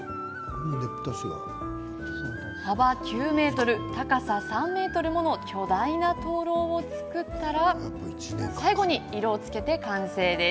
幅９ｍ、高さ３ｍもの巨大な灯籠を作ったら最後に色をつけて完成。